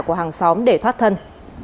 của hàng xóm để thoát thân